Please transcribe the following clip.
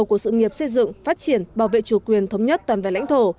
công nghiệp xây dựng phát triển bảo vệ chủ quyền thống nhất toàn vẹn lãnh thổ